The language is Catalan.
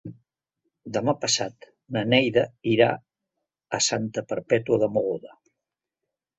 Demà passat na Neida irà a Santa Perpètua de Mogoda.